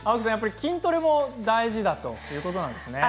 筋トレも大事だということなんですね。